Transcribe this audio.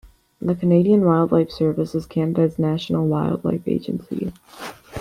The Canadian Wildlife Service is Canada's national wildlife agency.